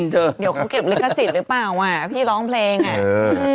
เดี๋ยวเขาเก็บรึเปลี่ยงกศิษย์รึเปล่าอ่ะพี่ร้องเพลงอ่ะ